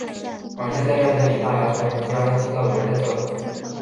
晚间，在院子里纳凉的时候，突然听到有人在叫他